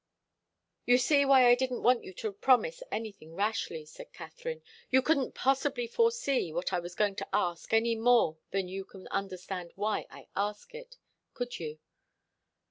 "You see why I didn't want you to promise anything rashly," said Katharine. "You couldn't possibly foresee what I was going to ask any more than you can understand why I ask it. Could you?"